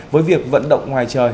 với việc vận động ngoài trời